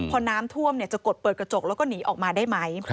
พอน้ำท่วมจะกดเปิดกระจกแล้วก็หนีออกมาได้ไหม